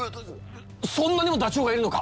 そんなにもダチョウがいるのか？